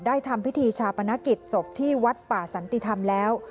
ทำพิธีชาปนกิจศพที่วัดป่าสันติธรรมแล้ว